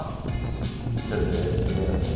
ちょっとじゃあやってみてください。